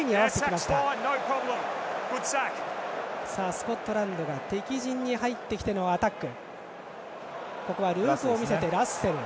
スコットランドが敵陣に入ってきてのアタック。